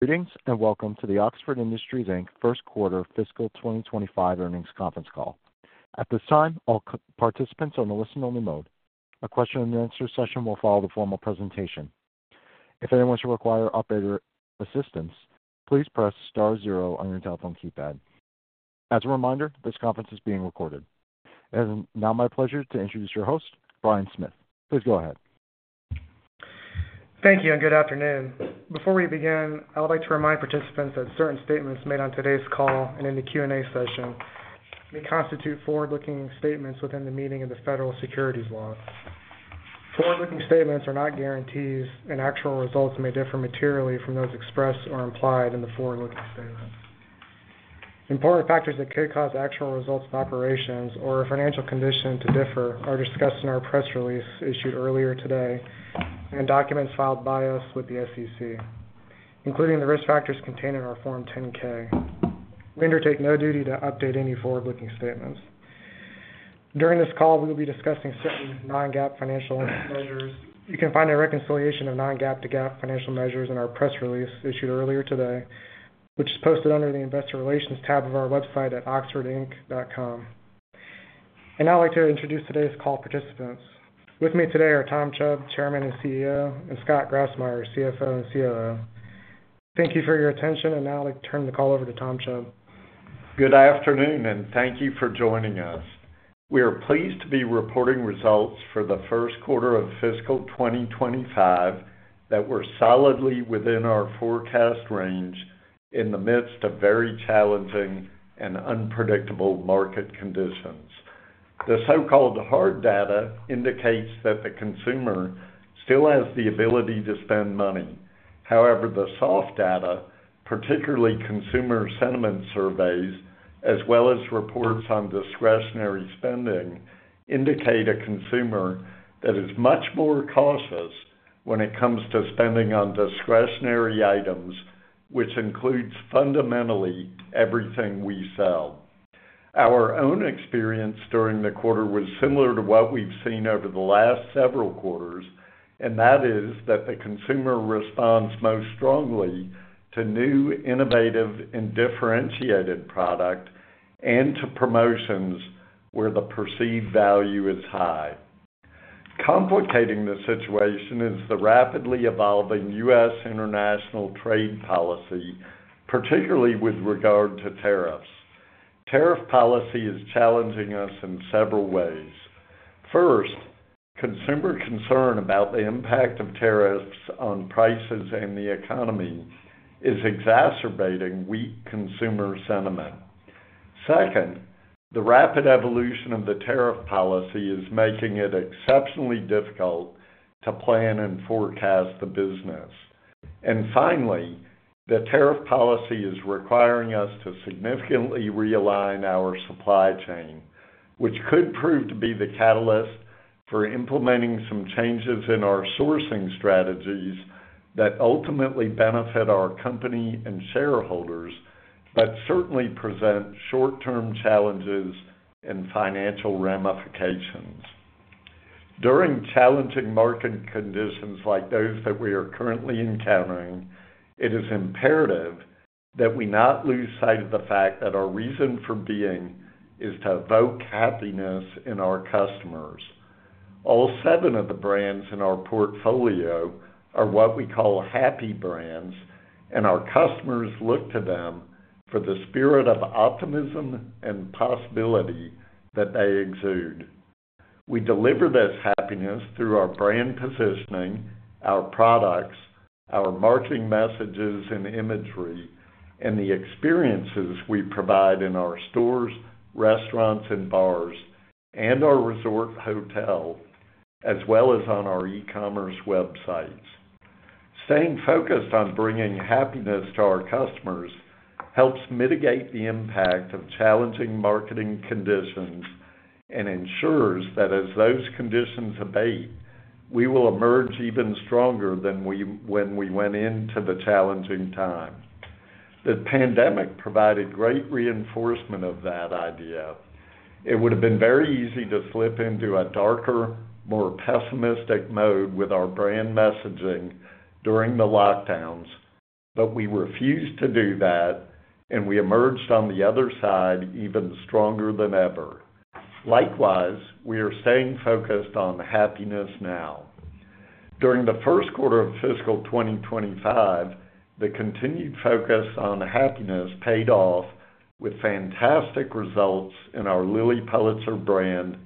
Greetings and welcome to the Oxford Industries first quarter fiscal 2025 earnings conference call. At this time all participants are in the listen only mode. A question and answer session will follow the formal presentation. If anyone should require operator assistance, please press star zero on your telephone keypad. As a reminder, this conference is being recorded. It is now my pleasure to introduce your host, Brian Smith. Please go ahead. Thank you and good afternoon. Before we begin, I would like to remind participants that certain statements made on today's call and in the Q and A session may constitute forward looking statements within the meaning of the federal securities law. Forward looking statements are not guarantees and actual results may differ materially from those expressed or implied in the forward looking statements. Important factors that could cause actual results of operations or financial condition to differ are discussed in our press release, including issued earlier today and documents filed by us with the SEC, including the risk factors contained in our Form 10-K. We undertake no duty to update any forward looking statements. During this call we will be discussing certain non-GAAP financial measures. You can find a reconciliation of non-GAAP to GAAP financial measures in our press release issued earlier today, which is posted under the Investor Relations tab of our website at oxfordinc.com. I would now like to introduce today's call participants. With me today are Tom Chubb, Chairman and CEO, and Scott Grassmyer, CFO and COO. Thank you for your attention. I would now like to turn the call over to Tom Chubb. Good afternoon and thank you for joining us. We are pleased to be reporting results for the first quarter of fiscal 2025 that were solidly within our forecast range in the midst of very challenging and unpredictable market conditions. The so-called hard data indicates that the consumer still has the ability to spend money. However, the soft data, particularly consumer sentiment surveys, as well as reports on discretionary spending, indicate a consumer that is much more cautious when it comes to spending on discretionary items, which includes fundamentally everything we sell. Our own experience during the quarter was similar to what we've seen over the last several quarters, and that is that the consumer responds most strongly to new, innovative, and differentiated product and to promotions where the perceived value is high. Complicating the situation is the rapidly evolving U.S. international trade policy, particularly with regard to tariffs. Tariff policy is challenging us in several ways. First, consumer concern about the impact of tariffs on prices and the economy is exacerbating weak consumer sentiment. second, the rapid evolution of the tariff policy is making it exceptionally difficult to plan and forecast the business. Finally, the tariff policy is requiring us to significantly realign our supply chain, which could prove to be the catalyst for implementing some changes in our sourcing strategies that ultimately benefit our company and shareholders, but certainly present short term challenges and financial ramifications during challenging market conditions like those that we are currently encountering. It is imperative that we not lose sight of the fact that our reason for being is to evoke happiness in our customers. All seven of the brands in our portfolio are what we call happy brands and our customers look to them for the spirit of optimism and possibility that they exude. We deliver this happiness through our brand positioning and our products, our marketing messages and imagery, and the experiences we provide in our stores, restaurants and bars, and our resort hotel, as well as on our e-commerce websites. Staying focused on bringing happiness to our customers helps mitigate the impact of challenging market conditions and ensures that as those conditions abate, we will emerge even stronger than when we went into the challenging time. The pandemic provided great reinforcement of that idea. It would have been very easy to slip into a darker, more pessimistic mode with our brand messaging during the lockdowns, but we refused to do that and we emerged on the other side even stronger than ever. Likewise, we are staying focused on happiness now. During the first quarter of fiscal 2025, the continued focus on happiness paid off with fantastic results in our Lilly Pulitzer brand.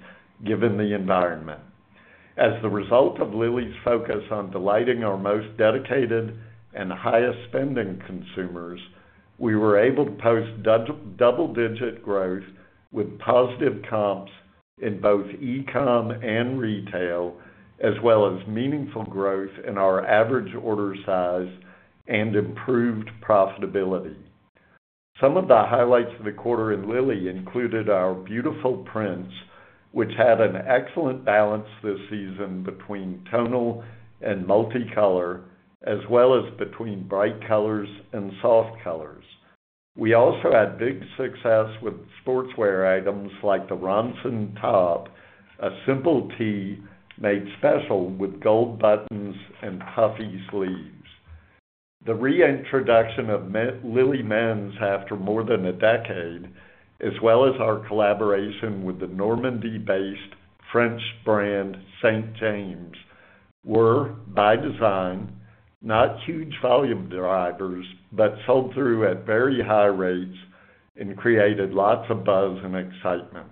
Given the environment, as the result of Lilly's focus on delighting our most dedicated and highest spending consumers, we were able to post double-digit growth with positive comps in both e-comm and retail as well as meaningful growth in our average order size and improved profitability. Some of the highlights of the quarter in Lilly included our beautiful prints, which had an excellent balance this season between tonal and multicolor as well as between bright colors and soft colors. We also had big success with sportswear items like the Ronson top, a simple tee made special with gold buttons and puffy sleeves. The reintroduction of Lilly Men's after more than a decade as well as our collaboration with the Normandie-based French brand Saint James were by design not huge volume drivers but sold through at very high rates and created lots of buzz and excitement.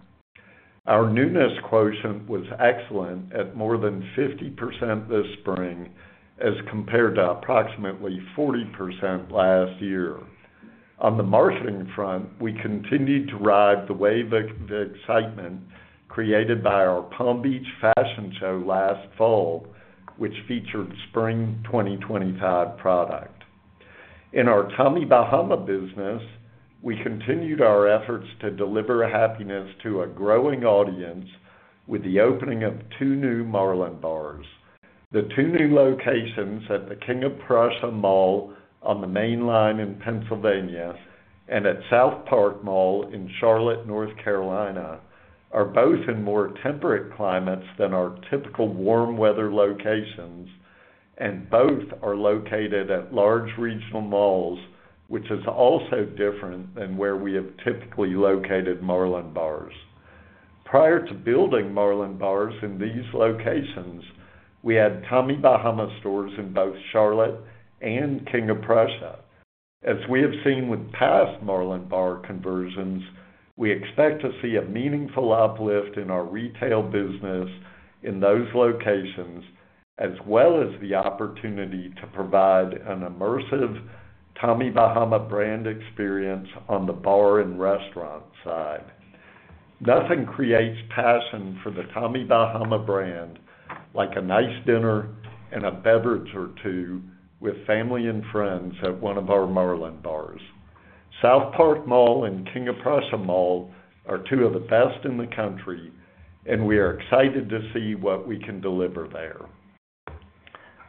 Our newness quotient was excellent at more than 50% this spring as compared to approximately 40% last year. On the marketing front, we continued to ride the wave of excitement created by our Palm Beach fashion show last fall which featured Spring 2025 product in our Tommy Bahama business. We continued our efforts to deliver happiness to a growing audience with the opening of two new Marlin Bars. The two new locations at the King of Prussia Mall on the Main Line in Pennsylvania and at South Park Mall in Charlotte, North Carolina are both in more temperate climates than our typical warm weather locations and both are located at large regional malls, which is also different than where we have typically located Marlin Bars. Prior to building Marlin Bars in these locations, we had Tommy Bahama stores in both Charlotte and King of Prussia. As we have seen with past Marlin Bar conversions, we expect to see a meaningful uplift in our retail business and in those locations, as well as the opportunity to provide an immersive Tommy Bahama brand experience on the bar and restaurant side. Nothing creates passion for the Tommy Bahama brand like a nice dinner and a beverage or two with family and friends at one of our Marlin Bars. South Park Mall and King of Prussia Mall are two of the best in the country and we are excited to see what we can deliver there.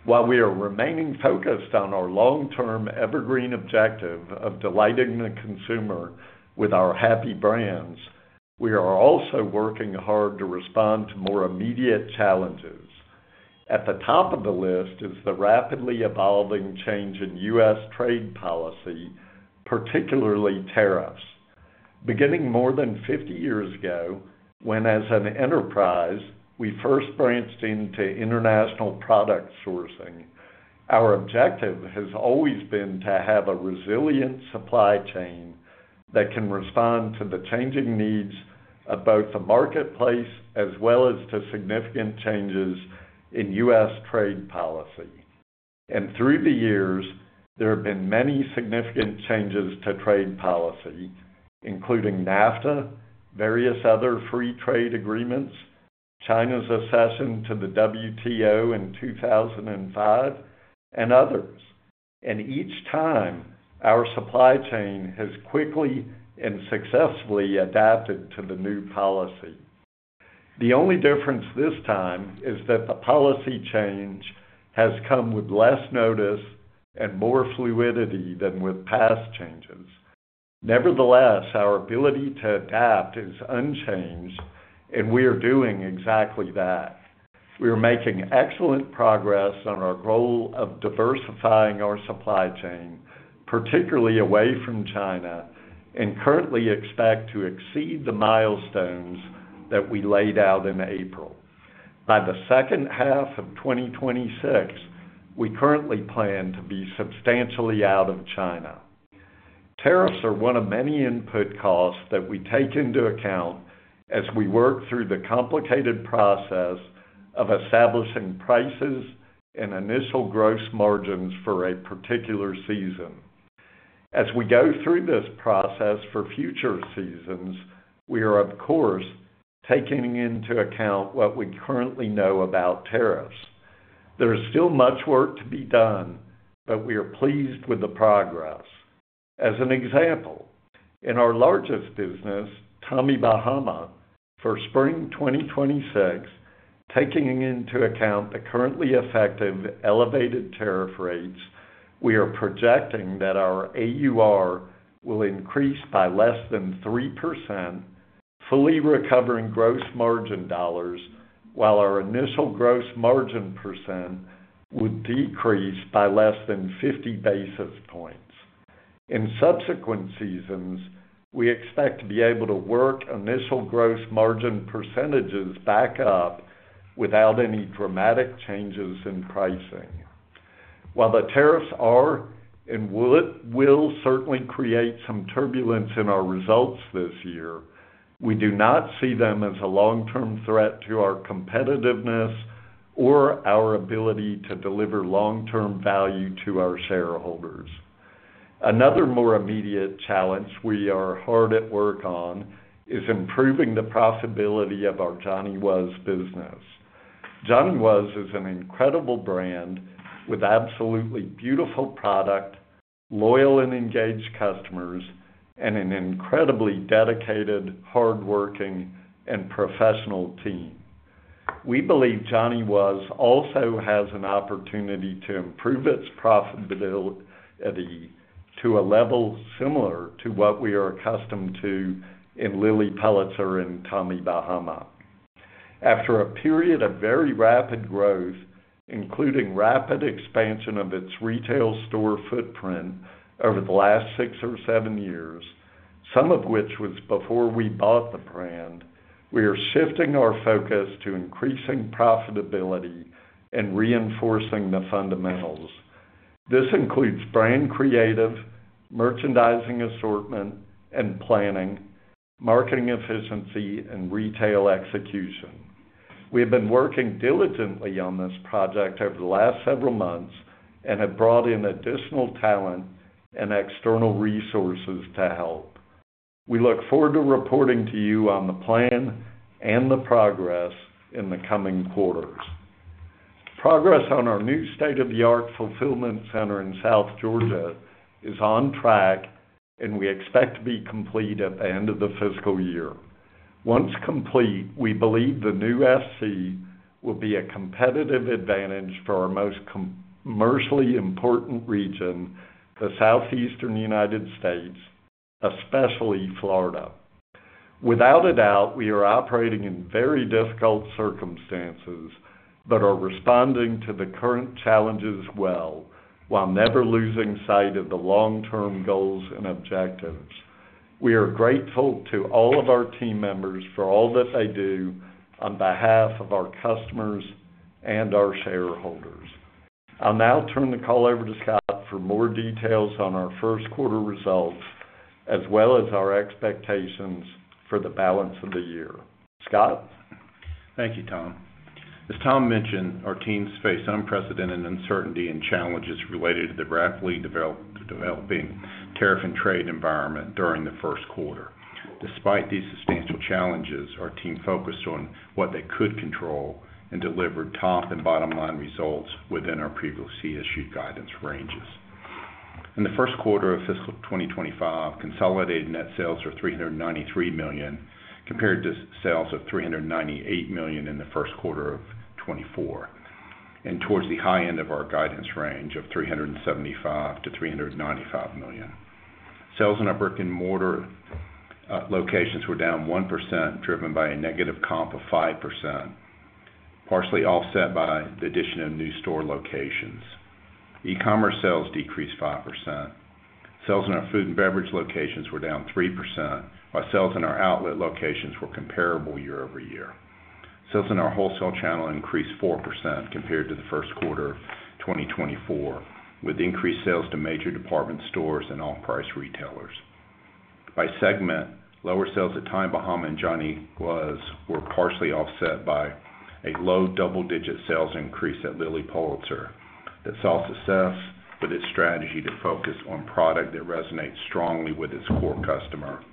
While we are remaining focused on our long-term evergreen objective of delighting the consumer with our happy brands, we are also working hard to respond to more immediate challenges. At the top of the list is the rapidly evolving change in U.S. trade policy, particularly tariffs. Beginning more than 50 years ago when as an enterprise we first branched into international product sourcing, our objective has always been to have a resilient supply chain that can respond to the changing needs of both the marketplace as well as to significant changes in U.S. trade policy. Through the years there have been many significant changes to trade policy, including NAFTA, various other free trade agreements, China's accession to the WTO in 2005 and others. Each time our supply chain has quickly and successfully adapted to the new policy. The only difference this time is that the policy change has come with less notice and more fluidity than with past changes. Nevertheless, our ability to adapt is unchanged and we are doing exactly that. We are making excellent progress on our goal of diversifying our supply chain, particularly away from China, and currently expect to exceed the milestones that we laid out in April by the second half of 2026. We currently plan to be substantially out of China. Tariffs are one of many input costs that we take into account as we work through the complicated process of establishing prices and initial gross margins for a particular season. As we go through this process for future seasons, we are of course taking into account what we currently know about tariffs. There is still much work to be done, but we are pleased with the progress. As an example, in our largest business, Tommy Bahama for Spring 2026, taking into account the currently effective elevated tariff rates, we are projecting that our AUR will increase by less than 3%, fully recovering gross margin dollars. While our initial gross margin percent would decrease by less than 50 basis points, in subsequent seasons, we expect to be able to work initial gross margin percentages back up without any dramatic changes in pricing. While the tariffs are and will certainly create some turbulence in our results this year, we do not see them as a long term threat to our competitiveness or our ability to deliver long term value to our shareholders. Another more immediate challenge we are hard at work on is improving the profitability of our Johnny Was business. Johnny Was is an incredible brand with absolutely beautiful product, loyal and engaged customers, and an incredibly dedicated, hard working and professional team. We believe Johnny Was also has an opportunity to improve its profitability to a level similar to what we are accustomed to in Lilly Pulitzer and Tommy Bahama. After a period of very rapid growth, including rapid expansion of its retail store footprint over the last six or seven years, some of which was before we bought the brand, we are shifting our focus to increasing profitability and reinforcing the fundamentals. This includes brand creative, merchandising assortment and planning, marketing efficiency and retail execution. We have been working diligently on this project over the last several months and have brought in additional talent and external resources to help. We look forward to reporting to you on the plan and the progress in the coming quarters. Progress on our new state-of-the-art fulfillment center in South Georgia is on track and we expect to be complete at the end of the fiscal year. Once complete, we believe the new SC will be a competitive advantage for our most commercially important region, the Southeastern United States, especially Florida. Without a doubt we are operating in very difficult circumstances but are responding to the current challenges well while never losing sight of the long term goals and objectives. We are grateful to all of our team members for all that they do on behalf of our customers and our shareholders. I'll now turn the call over to Scott for more details on our first quarter results as well as our expectations for the balance of the year. Scott. Thank you Tom. As Tom mentioned, our teams face unprecedented uncertainty and challenges related to the rapidly developing tariff and trade environment during the first quarter. Despite these substantial challenges, our team focused on what they could control and delivered top and bottom line results within our previously issued guidance ranges. In the first quarter of fiscal 2025, consolidated net sales are $393 million compared to sales of $398 million first quarter of 2024, towards the high end of our guidance range of $375 million-$395 million. Sales in our brick and mortar locations were down 1% driven by a negative comp of 5%, partially offset by the addition of new store locations. E-commerce sales decreased 5%. Sales in our food and beverage locations were down 3% while sales in our outlet locations were comparable year-over-year. Year sales in our wholesale channel increased 4% compared to the first quarter 2024 with increased sales to major department stores and off-price retailers by segment. Lower sales at Tommy Bahama and Johnny Was were partially offset by a low double digit sales increase at Lilly Pulitzer that saw success with its strategy to focus on product that resonates strongly with its core customer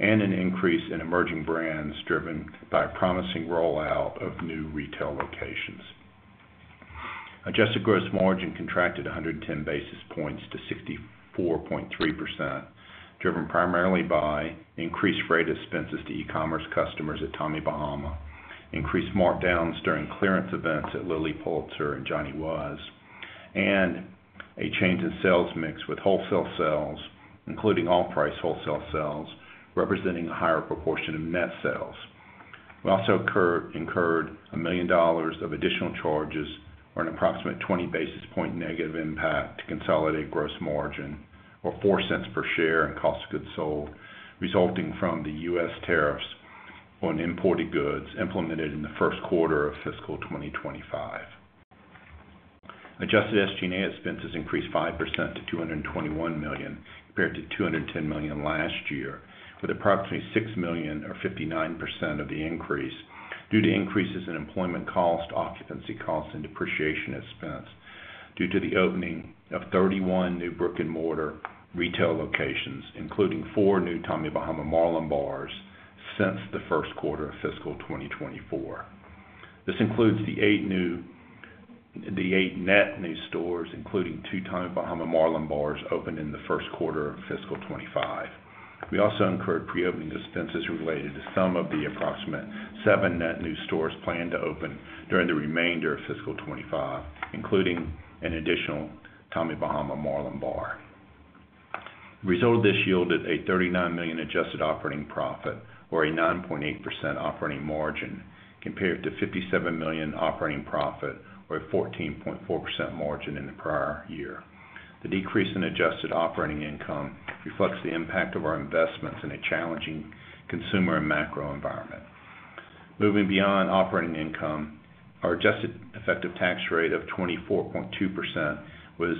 and an increase in emerging brands driven by promising rollout of new retail locations. Adjusted gross margin contracted 110 basis points to 64.3% driven primarily by increased freight expenses to e-commerce customers at Tommy Bahama, increased markdowns during clearance events at Lilly Pulitzer and Johnny Was, and again change in sales mix with wholesale sales including off price wholesale sales representing a higher proportion of net sales. We also incurred $1 million of additional charges or an approximate 20 basis point negative impact to consolidated gross margin or $0.04 per share in cost of goods sold resulting from the U.S. tariffs on imported goods implemented in the first quarter of fiscal 2025. Adjusted SG&A expenses increased 5% to $221 million compared to $210 million last year with approximately $6 million or 59% of the increase due to increases in employment cost, occupancy costs, and depreciation expense due to the opening of 31 new brick and mortar retail locations including four new Tommy Bahama Marlin Bars since the first quarter of fiscal 2024. This includes the eight net new stores including two Tommy Bahama Marlin Bars opened in the first quarter of fiscal 2025. We also incurred preopening expenses related to some of the approximate seven net new stores planned to open during the remainder of fiscal 2025, including an additional Tommy Bahama Marlin Bar. Result of this yielded a $39 million adjusted operating profit or a 9.8% operating margin compared to $57 million operating profit or a 14.4% margin in the prior year. The decrease in adjusted operating income reflects the impact of our investments in a challenging consumer and macro environment. Moving beyond operating income, our adjusted effective tax rate of 24.2% was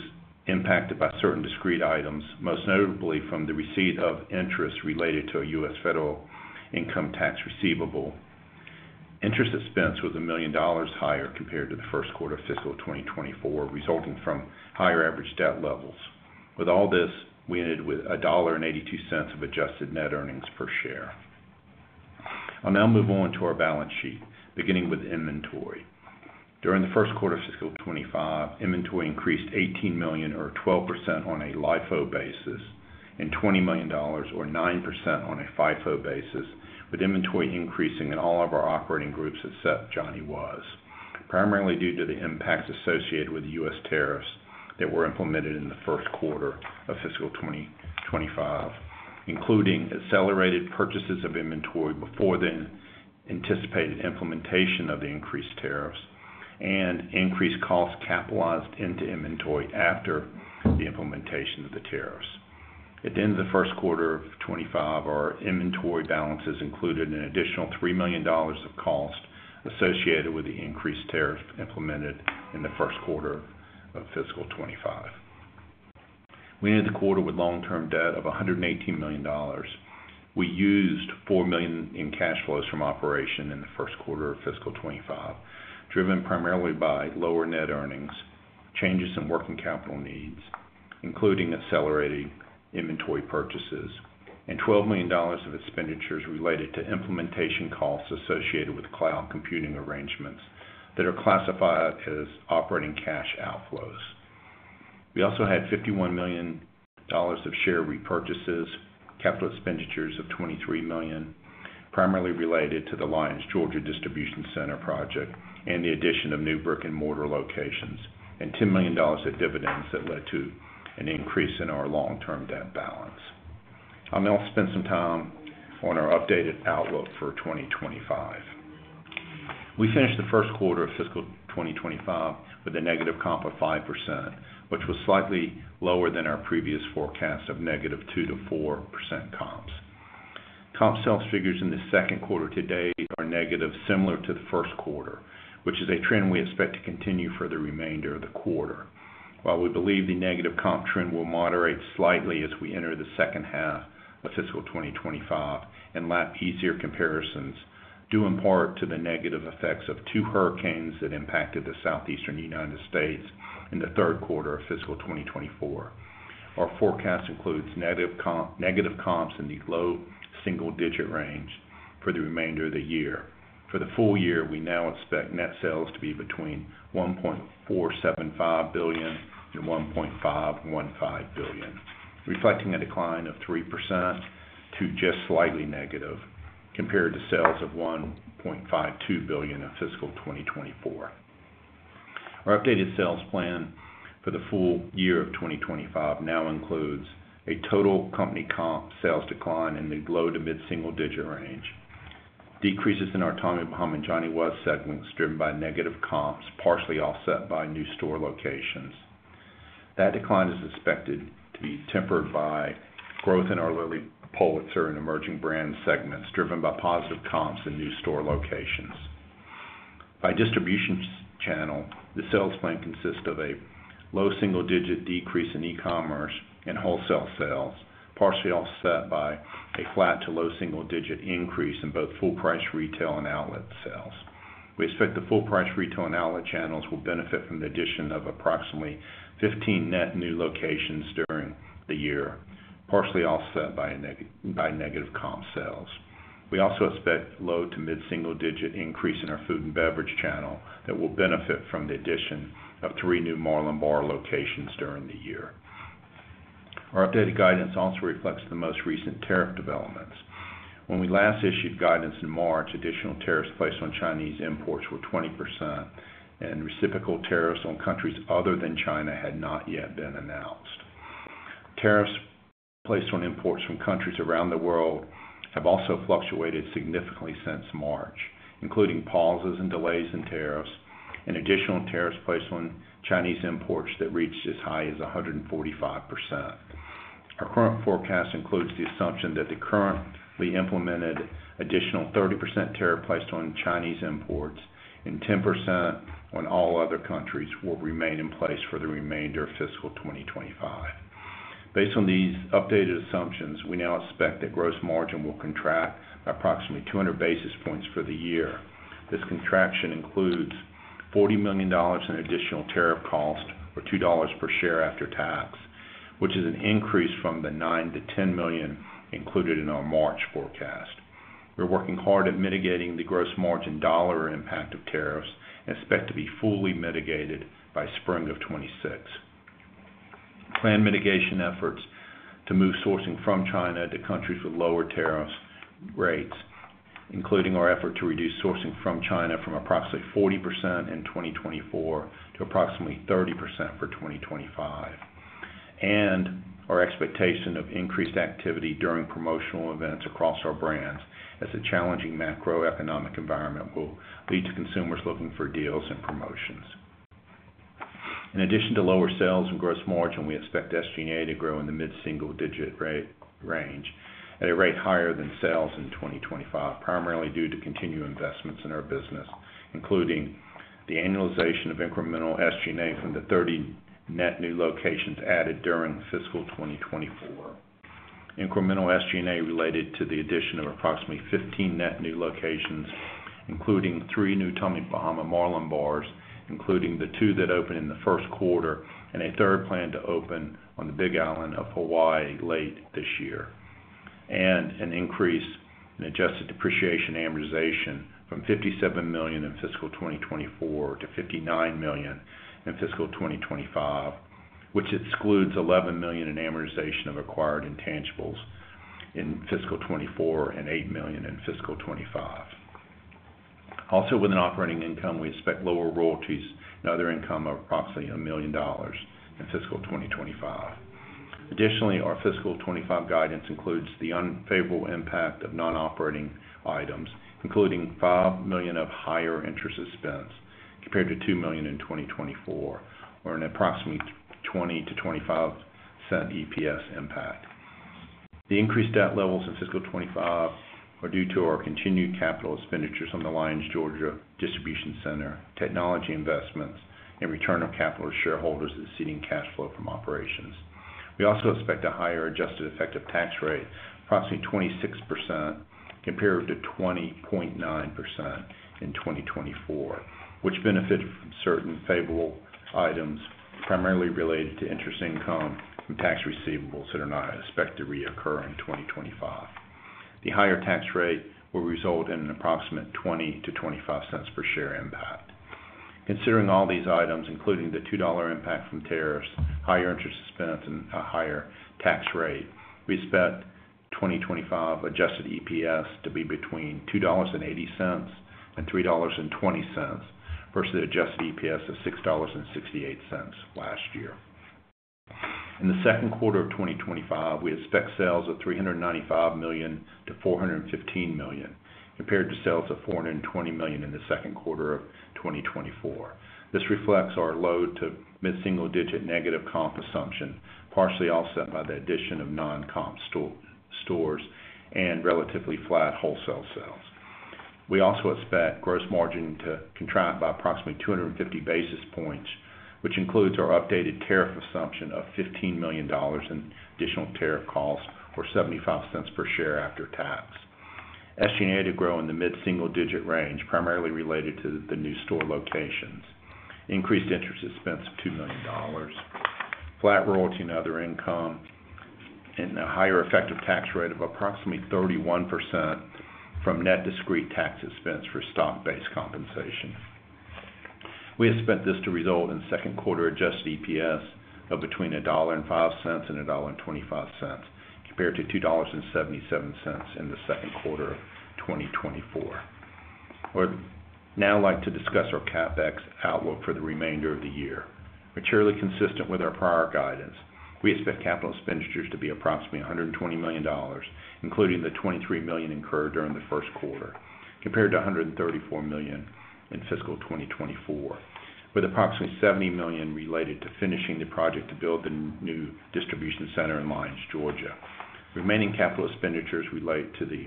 impacted by certain discrete items, most notably from the receipt of interest related to a U.S. Federal income tax receivable. Interest expense was $1 million higher compared to the first quarter of fiscal 2024 resulting from higher average debt levels. With all this, we ended with $1.82 of adjusted net earnings per share. I'll now move on to our balance sheet beginning with inventory. During the first quarter of fiscal 2025, inventory increased $18 million or 12% on a LIFO basis and $20 million or 9% on a FIFO basis with inventory increasing in all of our operating groups except Johnny Was primarily due to the impacts associated with U.S. tariffs that were implemented in the first quarter of fiscal 2025, including accelerated purchases of inventory before the anticipated implementation of the increased tariffs and increased costs capitalized into inventory after the implementation of the tariffs. At the end first quarter of 2025, our inventory balances included an additional $3 million of cost associated with the increased tariffs implemented in the first quarter of fiscal 2025. We ended the quarter with long term debt of $118 million. We used $4 million in cash flows from operation in the first quarter of fiscal 2025, driven primarily by lower net earnings, changes in working capital needs, including accelerating inventory purchases and $12 million of expenditures related to implementation costs associated with cloud computing arrangements that are classified as operating cash outflows. We also had $51 million of share repurchases, capital expenditures of $23 million primarily related to the Lyons, Georgia distribution center project and the addition of new brick and mortar locations, and $10 million of dividends that led to an increase in our long term debt balance. I'll now spend some time on our updated outlook for 2025. We finished the first quarter of fiscal 2025 with a negative comp of 5%, which was slightly lower than our previous forecast of negative 2%-4% comps. Comp sales figures in the second quarter today are negative, similar to the first quarter, which is a trend we expect to continue for the remainder of the quarter. While we believe the negative comp trend will moderate slightly as we enter the second half of fiscal 2025 and lack easier comparisons due in part to the negative effects of two hurricanes that impacted the Southeastern United States in the third quarter of fiscal 2024, our forecast includes negative comps in the low single digit range for the remainder of the year. For the full year, we now expect net sales to be between $1.475 billion and $1.515 billion, reflecting a decline of 3% to just slightly negative compared to sales of $1.52 billion in fiscal 2024. Our updated sales plan for the full year of 2025 now includes a total company comp sales decline in the low to mid single digit range. Decreases in our Tommy Bahama and Johnny Was segments driven by negative comps partially offset by new store locations. That decline is expected to be tempered by growth in our Lilly Pulitzer and emerging brand segments driven by positive comps in new store locations. By distribution channel, the sales plan consists of a low single digit decrease in e-commerce and wholesale sales partially offset by a flat to low single digit increase in both full price retail and outlet sales. We expect the full price retail and outlet channels will benefit from the addition of approximately 15 net new locations during the year, partially offset by negative comp sales. We also expect low to mid single digit increase in our food and beverage channel that will benefit from the addition of three new Marlin Bar locations during the year. Our updated guidance also reflects the most recent tariff developments when we last issued guidance in March. In addition, additional tariffs placed on Chinese imports were 20% and reciprocal tariffs on countries other than China had not yet been announced. Tariffs placed on imports from countries around the world have also fluctuated significantly since March, including pauses and delays in tariffs and additional tariffs placed on Chinese imports that reached as high as 145%. Our current forecast includes the assumption that the currently implemented additional 30% tariff placed on Chinese imports and 10% on all other countries will remain in place for the remainder of fiscal 2025. Based on these updated assumptions, we now expect that gross margin will contract approximately 200 basis points for the year. This contraction includes $40 million in additional tariff cost or $2 per share after tax, which is an increase from the $9 million-$10 million included in our March forecast. We're working hard at mitigating the gross margin dollar impact of tariffs and expect to be fully mitigated by spring of 2026. Planned mitigation efforts to move sourcing from China to countries with lower tariff rates, including our effort to reduce sourcing from China from approximately 40% in 2024 to approximately 30% for 2025 and our expectation of increased activity during promotional events across our brands as a challenging macroeconomic environment will lead to consumers looking for deals and promotions. In addition to lower sales and gross margin, we expect SG&A to grow in the mid single digit range at a rate higher than sales in 2025, primarily due to consumer investments in our business, including the annualization of incremental SG&A from the 30 net new locations added during fiscal 2024. Incremental SG&A related to the addition of approximately 15 net new locations including three new Tommy Bahama Marlin Bars, including the two that opened in the first quarter and a third planned to open on the Big Island of Hawaii late this year, and an increase in adjusted depreciation and amortization from $57 million in fiscal 2024 to $59 million in fiscal 2025, which excludes $11 million in amortization of acquired intangibles in fiscal 2024 and $8 million in fiscal 2025. Also with an operating income, we expect lower royalties and other income of approximately $1 million in fiscal 2025. Additionally, our fiscal 2025 guidance includes the unfavorable impact of non operating items including $5 million of higher interest expense compared to $2 million in 2024 or an approximately $0.20-$0.25 EPS impact. The increased debt levels in fiscal 2025 are due to our continued capital expenditures on the Lyons, Georgia distribution center, technology investments and return of capital to shareholders exceeding cash flow from operations. We also expect a higher adjusted effective tax rate, approximately 26% compared to 20.9% in 2024, which benefited from certain favorable items primarily related to interest income from tax receivables that are not expected to reoccur in 2025. The higher tax rate will result in an approximate $0.20-$0.25 per share impact. Considering all these items including the $2 impact from tariffs, higher interest expense and a higher tax rate, we expect 2025 adjusted EPS to be between $2.80 and $3.20 versus the adjusted EPS of $6.68 last year. In the second quarter of 2025 we expect sales of $395 million-$415 million compared to sales of $420 million in the second quarter of 2024. This reflects our low to mid single digit negative comp assumption partially offset by the addition of non comp stores and relatively flat wholesale sales. We also expect gross margin to contract by approximately 250 basis points, which includes our updated tariff assumption of $15 million in additional tariff costs or $0.75 per share after tax. SG&A to grow in the mid single digit range, primarily related to the new store locations, increased interest expense of $2 million, flat royalty and other income, and a higher effective tax rate of approximately 31% from net discrete tax expense for stock based compensation. We expect this to result in second quarter adjusted EPS of between $1.05 and $1.25 compared to $2.77 in the second quarter 2024. I would now like to discuss our CAPEX outlook for the remainder of the year. Materially consistent with our prior guidance, we expect capital expenditures to be approximately $120 million, including the $23 million incurred during the first quarter, compared to $134 million in fiscal 2024, with approximately $70 million related to finishing the project to build the new distribution center in Lyons, Georgia. Remaining capital expenditures relate to the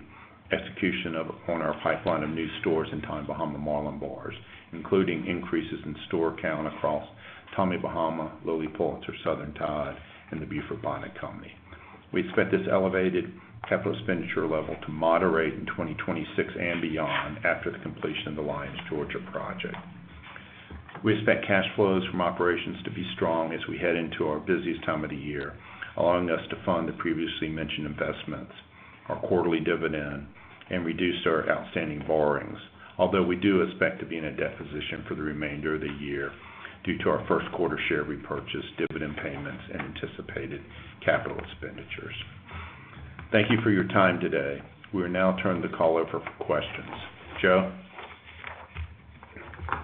execution on our pipeline of new stores in Tommy Bahama, Marlin Bars, including increases in store count across Tommy Bahama, Lilly Pulitzer, Southern Tide, and The Beaufort Bonnet Company. We expect this elevated capital expenditure level to moderate in 2026 and beyond after the completion of the Lyons, Georgia project. We expect cash flows from operations to be strong as we head into our busiest time of the year, allowing us to fund the previously mentioned investments, our quarterly dividend, and reduce our outstanding borrowings, although we do expect to be in a debt position for the remainder of the year due to our first quarter share repurchase, dividend payments and anticipated capital expenditures. Thank you for your time today. We will now turn the call over for questions. Joe.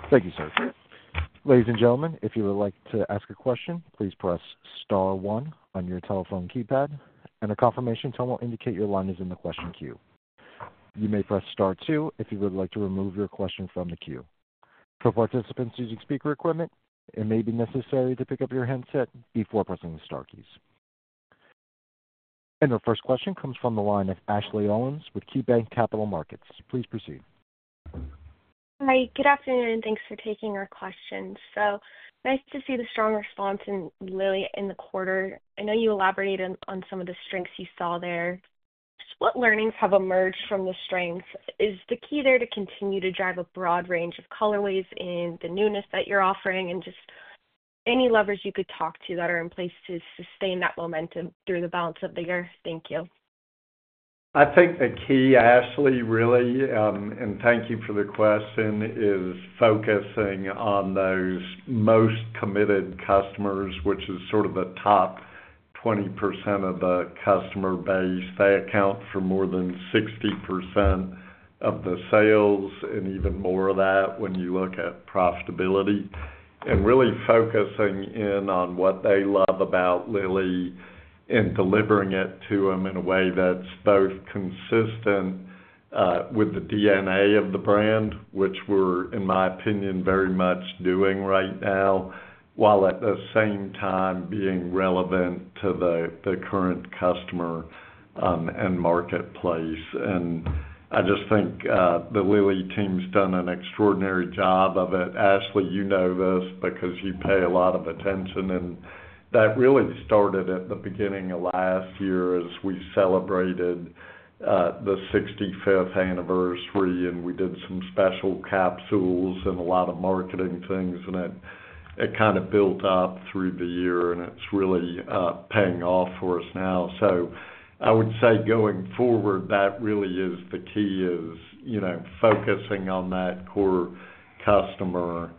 Thank you, sir. Ladies and gentlemen, if you would like to ask a question, please press star one on your telephone keypad and a confirmation tone will indicate your line is in the question queue. You may press star two if you would like to remove your question from the queue. For participants using speaker equipment, it may be necessary to pick up your handset before pressing the star keys. Our first question comes from the line of Ashley Owens with KeyBanc Capital Markets. Please proceed. Hi, good afternoon. Thanks for taking our questions. So nice to see the strong response in the quarter. I know you elaborated on some of the strengths you saw there. What learnings have emerged from the strengths is the key there to continue to drive a broad range of colorways in the newness that you're offering, and just any levers you could talk to that are in place to sustain that momentum through the balance of the year. Thank you. I think the key, Ashley, really, and thank you for the question, is focusing on those most committed customers, which is sort of the top 20% of the customer base. They account for more than 60% of the sales and even more of that when you look at profitability and really focusing in on what they love about Lilly and delivering it to them in a way that's both consistent with the DNA of the brand, which we're, in my opinion, very much doing right now, while at the same time being relevant to the current customer and marketplace. I just think the Lilly team's done an extraordinary job of it. Ashley, you know this because you pay a lot of attention. That really started at the beginning of last year as we celebrated the 65th anniversary and we did some special capsules and a lot of marketing things, and it kind of built up through the year and it is really paying off for us. I would say going forward, that really is the key, focusing on that core customer,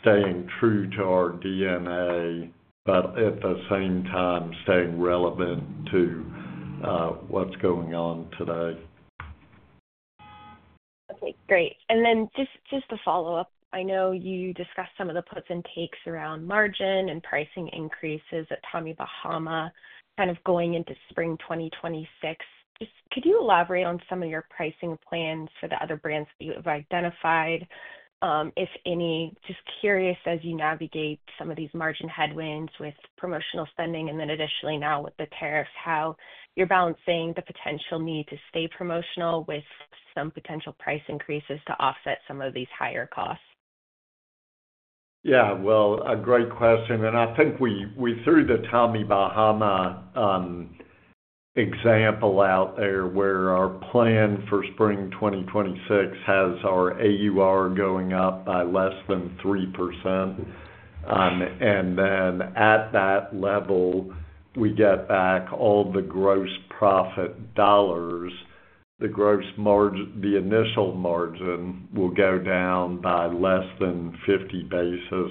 staying true to our DNA, but at the same time staying relevant to what is going on today. Okay, great. Just a follow up. I know you discussed some of the puts and takes around margin and pricing increases at Tommy Bahama kind of going into spring 2026. Could you elaborate on some of your pricing plans for the other brands that you have identified, if any? Just curious, as you navigate some of these margin headwinds with promotional spending and then additionally now with the tariffs, how you're balancing the potential need to stay promotional with some potential price increases to offset some of these higher costs. Yeah, a great question and I think we threw the Tommy Bahama example out there where our plan for spring 2026 has our AUR going up by less than 3%. At that level, we get back all the gross profit dollars, the gross margin, the initial margin will go down by less than 50 basis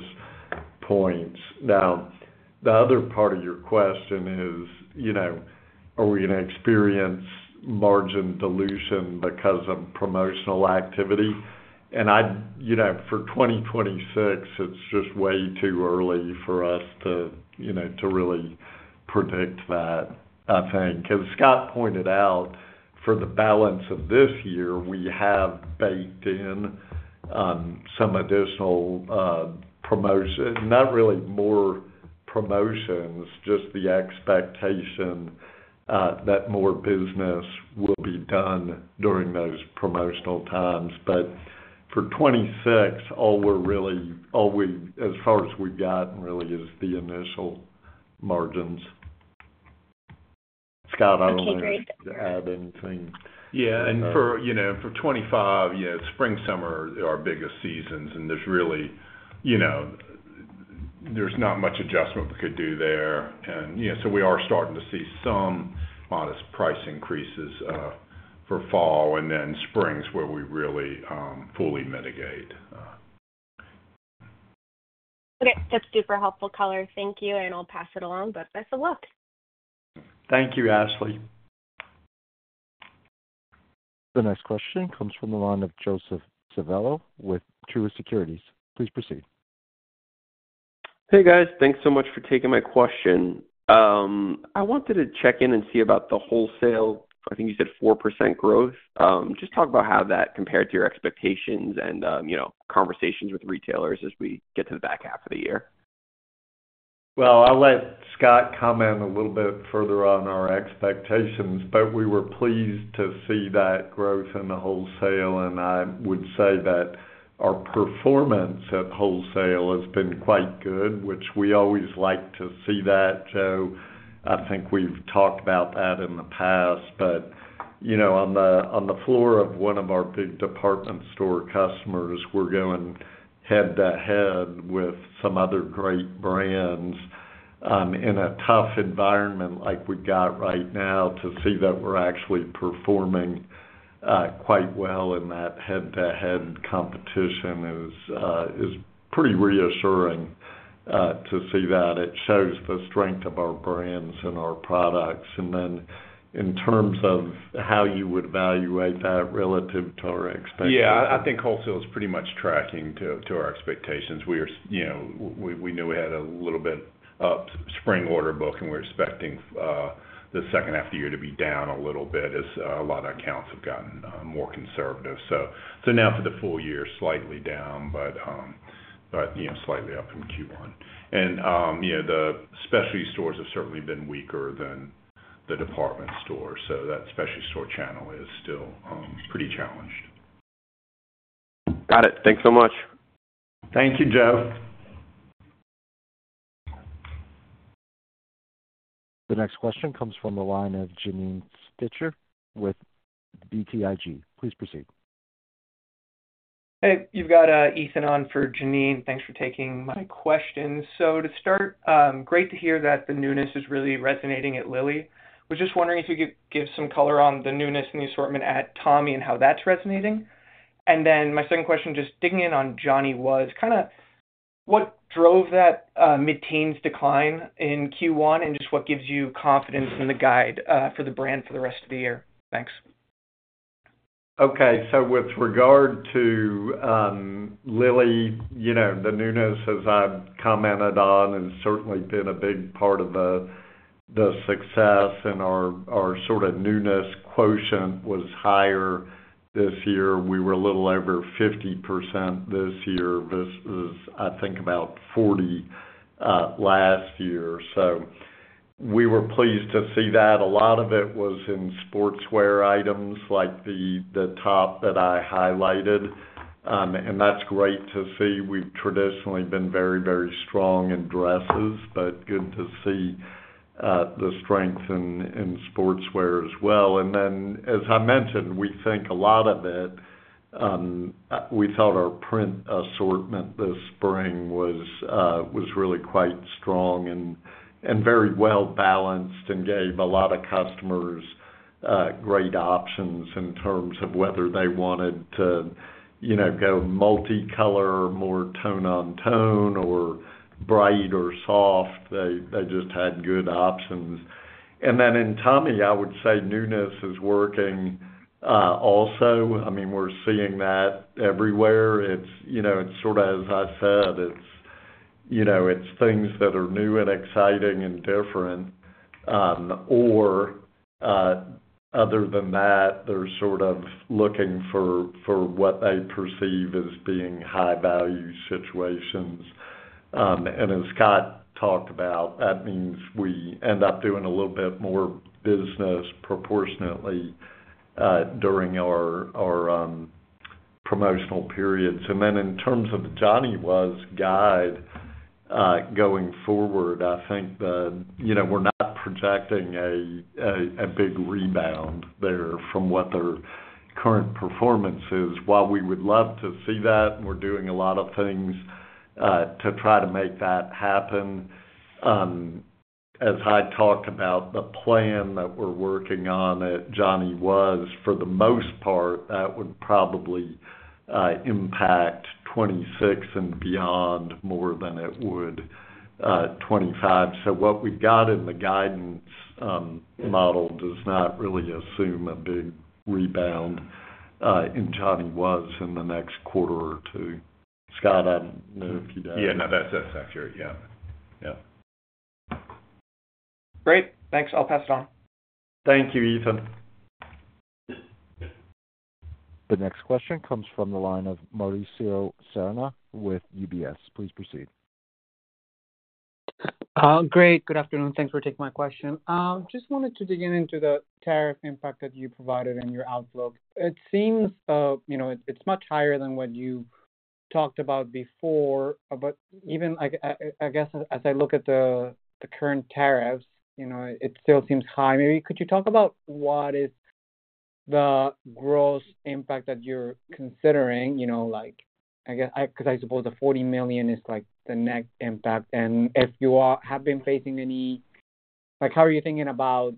points. Now, the other part of your question is, you know, are we going to experience margin dilution because of promotional activity? I, you know, for 2026, it's just way too early for us to really predict that. I think as Scott pointed out, for the balance of this year, we have baked in some additional promotion. Not really more promotions, just the expectation that more business will be done during those promotional times. For 2026, all we're really, all we, as far as we've gotten really is the initial margins. Scott, I do not want to add anything. Yeah. And for, you know, for 2025, you. Spring, summer, our biggest seasons, and there's really, you know, there's not much adjustment we could do there. We are starting to see some modest price increases for fall. Spring is where we really fully mitigate. Okay, that's super helpful. Color. Thank you. I'll pass it along, but best of luck. Thank you, Ashley. The next question comes from the line of Joseph Civello with Truist Securities. Please proceed. Hey, guys, thanks so much for taking my question. I wanted to check in and see about the wholesale. I think you said 4% growth. Just talk about how that compared to your expectations and, you know, conversations with retailers as we get to the back half of the year. I will let Scott comment a little bit further on our expectations, but we were pleased to see that growth in the wholesale and I would say that our performance at wholesale has been quite good, which we always like to see that too. I think we have talked about that in the past, but you know, on the floor of one of our big department store customers, we are going head to head with some other great brands in a tough environment like we have right now. To see that we are actually performing quite well in that head to head competition is pretty reassuring to see. It shows the strength of our brands and our products and then in terms of how you would evaluate that relative to our expectations. Yeah, I think wholesale is pretty much tracking to our expectations. We knew we had a little bit spring order book and we're expecting the second half of the year to be down a little bit as a lot of accounts have gotten more conservative. Now for the full year, slightly down, but slightly up in Q1. The specialty stores have certainly been weaker than the department stores. That specialty store channel is still pretty challenged. Got it. Thanks so much. Thank you, Joe. The next question comes from the line of Janine Stichter with BTIG. Please proceed. Hey, you've got Ethan on for Janine. Thanks for taking my questions. To start, great to hear that the newness is really resonating at Lilly. Was just wondering if you could give some color on the newness and the assortment at Tommy and how that's resonating. My second question, just digging in on Johnny Was, kind of what drove that mid teens decline in Q1 and just what gives you confidence in the guide for the brand for the rest of the year? Thanks. Okay, so with regard to Lilly, you know, the newness, as I commented on, has certainly been a big part of the success. And our sort of newness quotient was higher this year. We were a little over 50% this year versus I think about 40% last year. We were pleased to see that a lot of it was in sportswear items like the top that I highlighted. That is great to see. We have traditionally been very, very strong in dresses, but good to see the strength in sportswear as well. As I mentioned, we think a lot of it. We thought our print assortment this spring was really quite strong and very well balanced and gave a lot of customers great options in terms of whether they wanted to go multi color, more tone on tone, or bright or soft. They just had good options. In Tommy, I would say newness is working also. I mean we're seeing that everywhere. It's, you know, it's sort of, as I said, it's, you know, it's things that are new and exciting and different or other than that they're sort of looking for what they perceive as being high value situations. As Scott talked about, that means we end up doing a little bit more business proportionately during our promotional periods. In terms of Johnny Was guide going forward, I think, you know, we're not projecting a big rebound there from what their current performance is. While we would love to see that, we're doing a lot of things to try to make that happen. As I talked about, the plan that we're working on at Johnny Was for the most part that would probably impact 2026 and beyond more than it would 2025. So what we've got in the guidance model does not really assume a big rebound in Johnny Was in the next quarter or two. Scott? Yeah, no, that's accurate. Yeah. Great, thanks. I'll pass it on. Thank you, Ethan. The next question comes from the line of Mauricio Serna with UBS. Please proceed. Great. Good afternoon. Thanks for taking my question. Just wanted to dig into the tariff impact that you provided in your outlook. It seems, you know, it's much higher than what you talked about before. Even, I guess as I look at the current tariffs, you know, it still seems high. Maybe, could you talk about what is the gross impact that you're considering? You know, like, I guess because I suppose the $40 million is like the net impact and if you have been facing any, like, how are you thinking about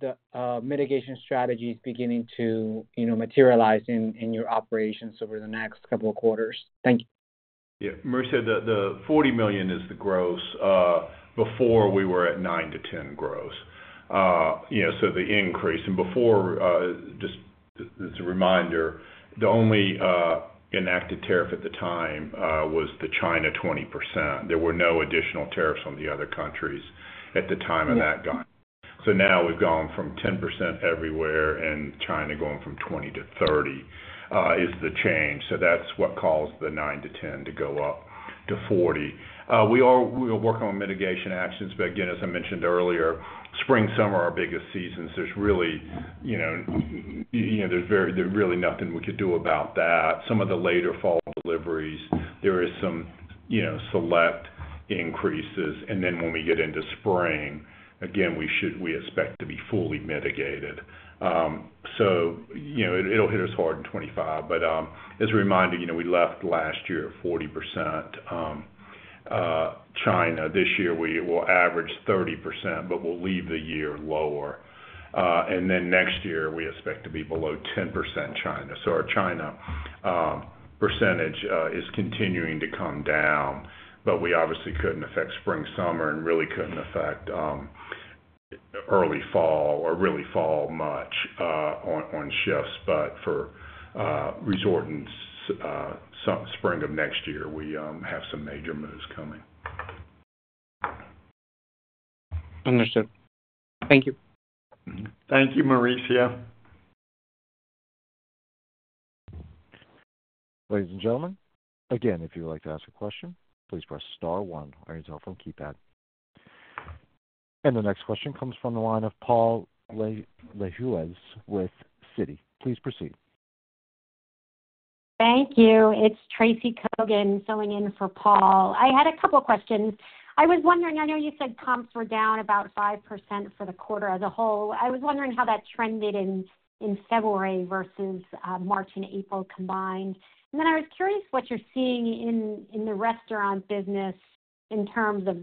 the mitigation strategies beginning to, you know, materialize in your operations over the next couple of quarters. Thank you. Yeah. [Mer] said that the $40 million is the gross before we were at $9 million-$10 million gross, you know, so the increase and before, just as a reminder, the only enacted tariff at the time was the China 20%. There were no additional tariffs on the other countries at the time of that guide. Now we have gone from 10% everywhere and China going from 20% to 30% is the change. That is what caused the $9 million-$10 million to go up to $40 million. We are working on mitigation actions, but again, as I mentioned earlier, spring, summer, our biggest seasons, there is really, you know, there is very, really nothing we could do about that. Some of the later fall deliveries, there is some, you know, select increases and then when we get into spring again, we should, we expect to be fully mitigated. You know, it'll hit us hard in 2025. As a reminder, you know, we left last year 40% China. This year we will average 30%, but we'll leave the year lower. Next year we expect to be below 10% China. Our China percentage is continuing to come down. We obviously couldn't affect spring, summer and really couldn't affect early fall or really fall much on shifts. For resorting spring of next year, we have some major moves coming. Understood. Thank you. Thank you, Mauricio. Ladies and gentlemen, again, if you would like to ask a question, please press star one on your telephone keypad. The next question comes from the line of Paul Lejuez with Citi. Please proceed. Thank you. It's Tracy Kogan filling in for Paul. I had a couple questions. I was wondering, I know you said comps were down about 5% for the quarter as a whole. I was wondering how that trended in February versus March and April combined. I was curious what you're seeing in the restaurant business in terms of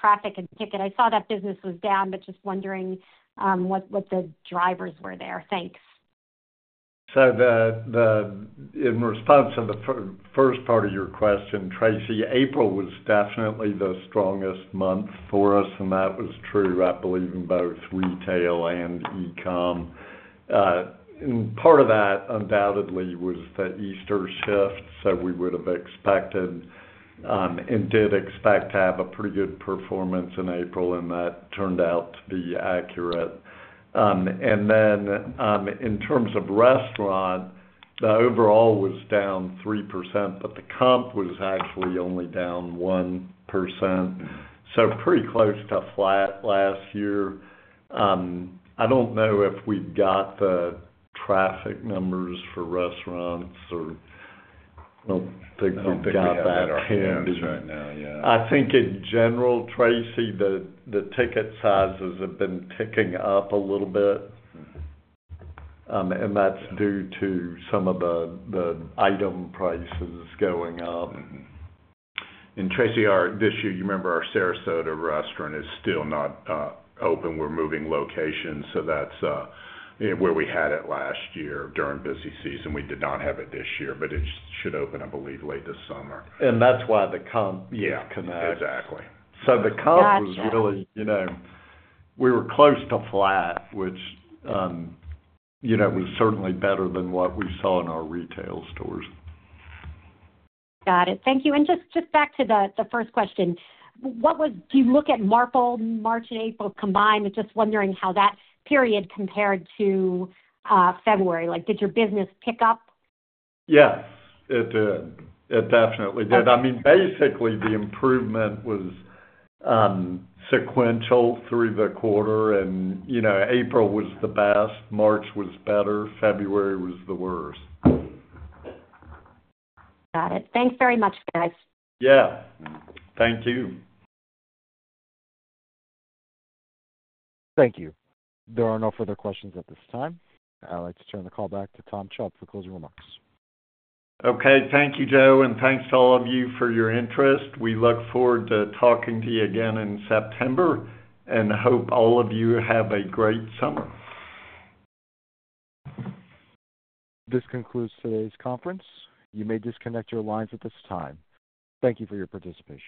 traffic and ticket. I saw that business was down, but just wondering what the drivers were there. Thanks. In response to the first part of your question, Tracy, April was definitely the strongest month for us. That was true, I believe, in both retail and e-comm. Part of that undoubtedly was the Easter shift. We would have expected and did expect to have a pretty good performance in April, and that turned out to be accurate. In terms of restaurant, the overall was down 3%, but the comp was actually only down 1%. Pretty close to flat last year. I do not know if we got the traffic numbers for restaurants or. Hands right now. Yeah, I think in general, Tracy, the ticket sizes have been ticking up a little bit, and that's due to some of the item prices going up. Tracy, this year, you remember, our Sarasota restaurant is still not open. We're moving locations. That is where we had it last year during busy season. We did not have it this year, but it should open, I believe, late this summer. That is why the comp. So the comp was really, you know, we were close to flat, which, you know, was certainly better than what we saw in our retail stores. Got it. Thank you. Just back to the first question. Do you look at March and April combined? Just wondering how that period compared to February. Like, did your business pick up? Yes, it did. It definitely did. I mean, basically the improvement was sequential through the quarter. You know, April was the best. March was better. February was the worst. Got it. Thanks very much, guys. Yeah. Thank you. Thank you. There are no further questions at this time. I'd like to turn the call back to Tom Chubb for closing remarks. Okay. Thank you, Joe. Thank you to all of you for your interest. We look forward to talking to you again in September and hope all of you have a great summer. This concludes today's conference. You may disconnect your lines at this time. Thank you for your participation.